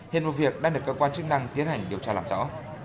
hiện vụ việc đang được cơ quan chức năng tiến hành điều tra làm rõ